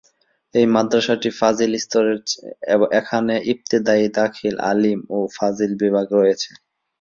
এই মাদ্রাসাটি ফাযিল স্তরের, এখানে ইবতেদায়ী, দাখিল, আলিম ও ফাযিল বিভাগ রয়েছে।